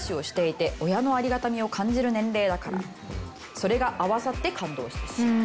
それが合わさって感動してしまう。